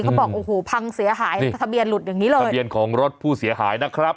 บอกโอ้โหพังเสียหายทะเบียนหลุดอย่างนี้เลยทะเบียนของรถผู้เสียหายนะครับ